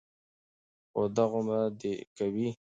خو دغومره دې کوي،